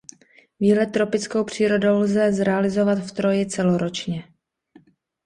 Výlet tropickou přírodou lze zrealizovat v Troji celoročně.